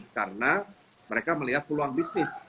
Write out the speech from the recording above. karena mereka melihat peluang bisnis